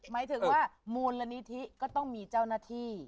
หมายถึงว่ามูลนิธิก็ต้องมีเจ้าหน้าที่